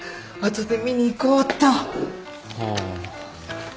はあ。